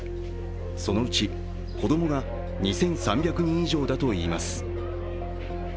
そのうち、子供が２３００人以上だといいます。